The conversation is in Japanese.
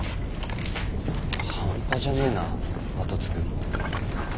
半端じゃねえなあと継ぐんも。